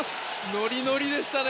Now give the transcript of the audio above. ノリノリでしたね